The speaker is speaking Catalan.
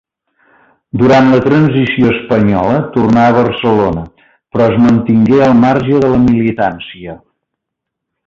Durant la transició espanyola tornà a Barcelona, però es mantingué al marge de la militància.